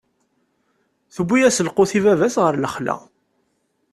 Tewwi-yas lqut i baba-s ɣer lexla.